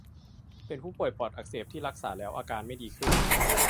เป็นผู้ป่วยปอดอักเสบที่รักษาแล้วอาการไม่ดีขึ้น